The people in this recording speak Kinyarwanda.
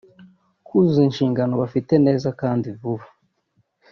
Kuzuza inshingano bafite neza kandi vuba